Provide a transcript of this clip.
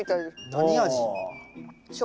何味？